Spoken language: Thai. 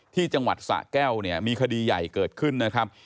ที่จังหวัดสะแก้วเนี่ยมีคดีใหญ่เกิดขึ้นนะครับ